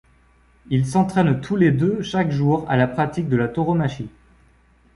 Ils s'entrainent tous les deux chaque jour à la pratique de la tauromachie.